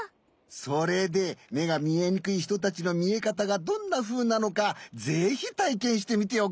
それでめがみえにくいひとたちのみえかたがどんなふうなのかぜひたいけんしてみておくれ！